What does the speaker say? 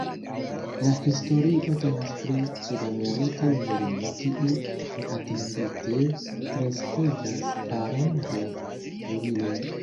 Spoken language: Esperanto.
La historio temas pri sudamerika junulino kiu neatendite kreskigas paron de flugiloj.